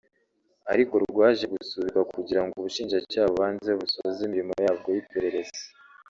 ariko rwaje gusubikwa kugira ngo Ubushinjacyaha bubanze busoze imirimo yabwo y’iperereza